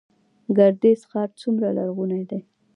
ګردیز ښار څومره لرغونی دی؟